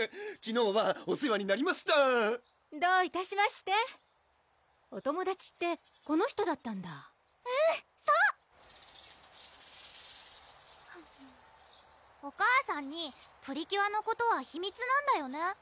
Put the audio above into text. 昨日はお世話になりましたぁどういたしましてお友達ってこの人だったんだうんそうお母さんにプリキュアのことは秘密なんだよね？